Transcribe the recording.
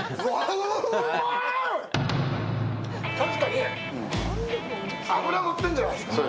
確かにね、脂が乗ってるじゃないですか。